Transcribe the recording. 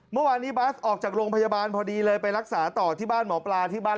เมื่อวานนี้บัสออกจากโรงพยาบาลพอดีเลยไปรักษาต่อที่บ้านหมอปลาที่บ้าน